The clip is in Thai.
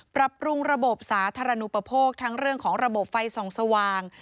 ปรับปรุงระบบสาธารณูปโภคทั้งเรื่องของระบบไฟส่องสว่าง